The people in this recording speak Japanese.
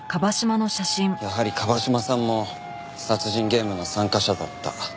やはり椛島さんも殺人ゲームの参加者だった。